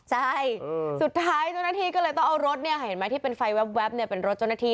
ใช่สุดท้ายมาต้องรถที่เป็นไฟแวบเป็นรถละที่